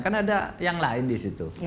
kan ada yang lain disitu